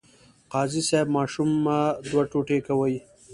قاضي صیب ماشوم مه دوه ټوټې کوئ.